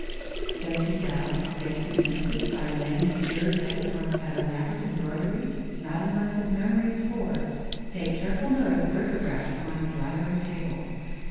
Does he rouse a quiescent Nemesis by laying his weary head upon that elaborate embroidery? Not unless his memory is poor. [Sidenote: Home Comforts] Take careful note of the bric à brac upon his library table.